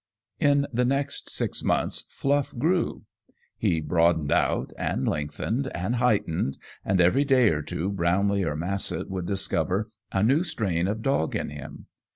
In the next six months Fluff grew. He broadened out and lengthened and heightened, and every day or two Brownlee or Massett would discover a new strain of dog in him.